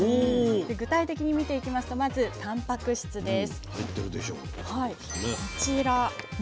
具体的に見ていきますとまずたんぱく質です。